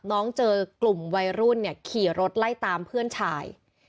น้องเจอกลุ่มวัยรุ่นเนี่ยขี่รถไล่ตามเพื่อนชาย